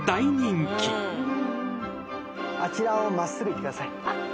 あちらを真っすぐ行ってください。